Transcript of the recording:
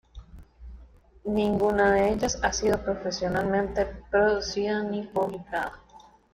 Ninguna de ellas ha sido profesionalmente producida ni publicada.